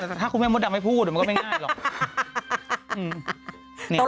แต่ถ้าคุณแม่มดดำไม่พูดมันก็ไม่ง่ายหรอก